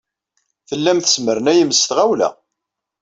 Tellam tesmernayem s tɣawla.